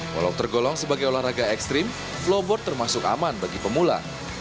walau tergolong sebagai olahraga ekstrim flowboard termasuk aman bagi pemula